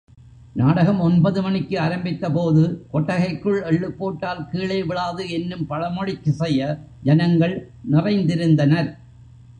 நாடகம் ஒன்பது மணிக்கு ஆரம்பித்தபோது, கொட்டகைக்குள் எள்ளு போட்டால் கீழே விழாது என்னும் பழமொழிக் கிசைய, ஜனங்கள் நிறைந்திருந்தனர்.